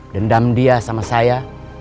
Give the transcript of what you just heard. dendam dia sama saya